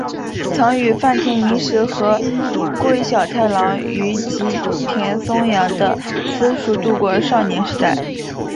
曾与坂田银时和桂小太郎于吉田松阳的私塾度过少年时代。